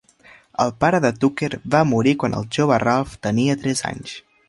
El pare de Tucker va morir quan el jove Ralph tenia tres anys.